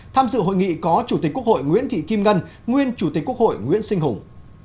tham dự hội nghị có chủ tịch quốc hội nguyễn thị kim ngân nguyên chủ tịch quốc hội nguyễn sinh hùng